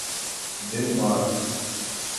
Denmark